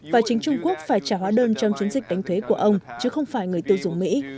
và chính trung quốc phải trả hóa đơn trong chiến dịch đánh thuế của ông chứ không phải người tiêu dùng mỹ